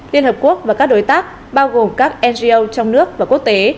liên hợp quốc và các đối tác bao gồm các ngo trong nước và quốc tế